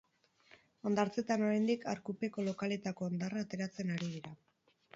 Hondartzetan oraindik arkupeko lokaletako hondarra ateratzen ari dira.